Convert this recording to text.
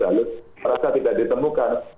lalu merasa tidak ditemukan